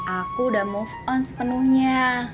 aku udah move on sepenuhnya